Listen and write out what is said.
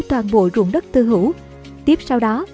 toàn bộ ruộng đất tư hữu tiếp sau đó